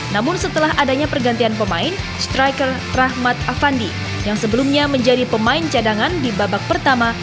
namun setelah adanya pergantian pemain striker rahmat afandi yang sebelumnya menjadi pemain cadangan di babak pertama